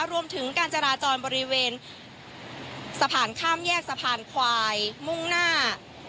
รวมถึงการจราจรบริเวณสะพานข้ามแยกสะพานควายมุ่งหน้า